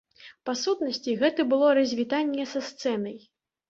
Па сутнасці, гэта было развітанне са сцэнай.